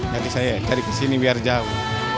jadi saya cari kesini biar jauh